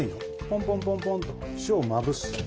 ポンポンポンポンと塩をまぶす。